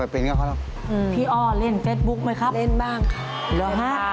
รักที่สุดโอ้โฮ